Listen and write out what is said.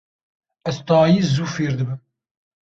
Ez tayî zû fêr dibim.